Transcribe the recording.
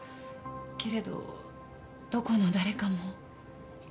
けれどどこの誰かも。